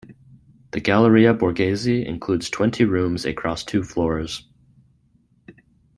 The Galleria Borghese includes twenty rooms across two floors.